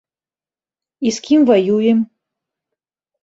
І з кім ваюем?